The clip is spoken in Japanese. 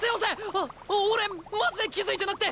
あっお俺マジで気付いてなくて！